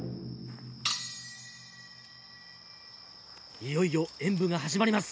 いよいよ演舞が始まります。